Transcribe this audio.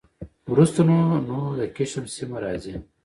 وروسته نو نور د کشم سیمه راخي